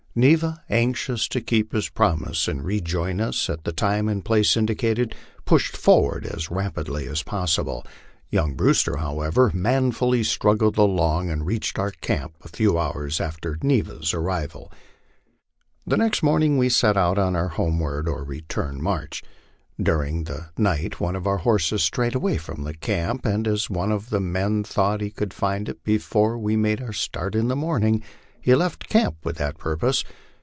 Neva, anxious to keep his promise and rejoin us at the time and place indicated, pushed forward as rapidly as possible. Young Brewster, however, manfully struggled along, and reached our camp a few hours after Neva's arrival. The next morning we set out on our homeward or return march. During the night one of our horses strayed away from camp, and as one of the men thought he could find it before we made our start in the morning, he left camp with that purpose.